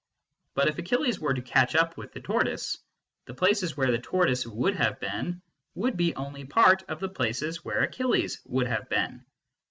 But if Achilles were to catch up with the tortoise, the places where the tortoise would have been would be only part of the places where Achilles would have been.